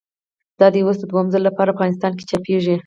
دا دی اوس د دوهم ځل له پاره افغانستان کښي چاپېږي.